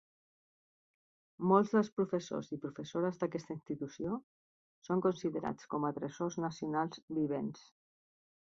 Molts dels professors i professores d'aquesta institució són considerats com a Tresors nacionals vivents.